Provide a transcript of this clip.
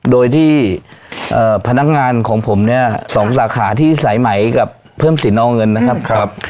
โดยที่พนักงานของผมเนี่ย๒สาขาที่สายไหมกับเพิ่มสินเอาเงินนะครับ